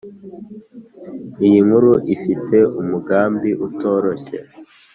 iyinkuru ifite umugambi utoroshye.